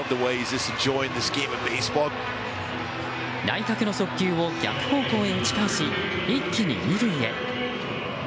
内角の速球を逆方向へ打ち返し一気に２塁へ。